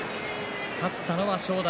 勝ったのは正代。